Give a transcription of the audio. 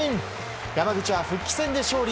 山口は復帰戦で勝利。